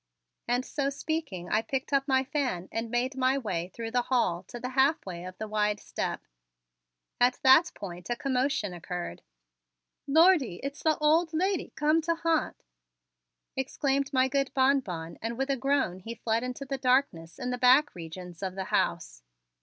And so speaking, I picked up my fan and made my way through the hall to the halfway of the wide steps. At that point a commotion occurred. "Lordee! It's the old lady come to ha'nt!" exclaimed my good Bonbon and with a groan he fled into the darkness in the back regions of the house.